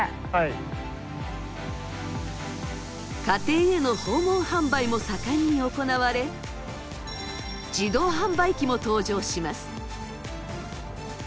家庭への訪問販売も盛んに行われ自動販売機も登場します。